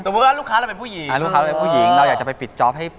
สมมุติลูกค้าเราเป็นผู้หญิงเราอยากไปปิดโจปให้